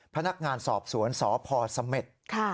พนักงานสอบสวนสพสเม็ด